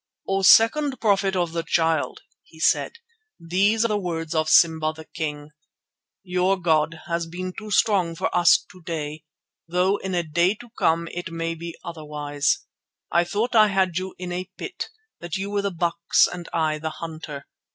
"O second Prophet of the Child," he said, "these are the words of Simba the King: Your god has been too strong for us to day, though in a day to come it may be otherwise. I thought I had you in a pit; that you were the bucks and I the hunter.